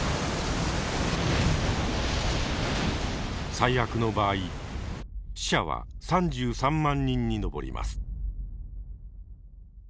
最悪の場合死者は３３万人に上ります。